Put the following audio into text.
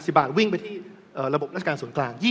จะตอบอาจจะวิ่งไปที่ระบบนาศการส่วนกลาง